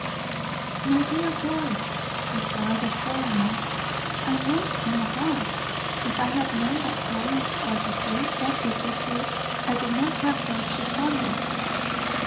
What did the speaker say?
"My dear boy," replied the colonel, "I meant no harm. If I had known that Florence was a sore subject with you I would not have touched upon it."